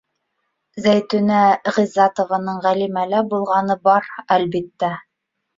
Зәйтүнә Ғиззәтованың Ғәлимәлә булғаны бар, әлбиттә.